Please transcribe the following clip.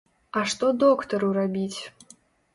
А што доктару рабіць?